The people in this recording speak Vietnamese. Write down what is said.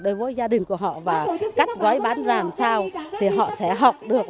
đối với gia đình của họ và cắt gói bán làm sao thì họ sẽ học được